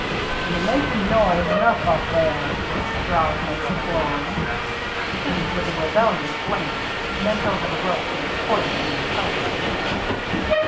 "You*re makin* noise enough up there," growled McGlory. Pink, with a rebellious glance, bent over the rope he was coiling and held his peace.